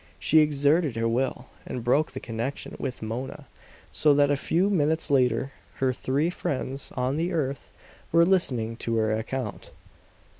She exerted her will, and broke the connection with Mona; so that a few minutes later her three friends on the earth were listening to her account.